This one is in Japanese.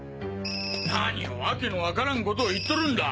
何を訳のわからんことを言っとるんだ！